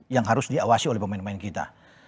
yang harus diawasi oleh pemain pemain kita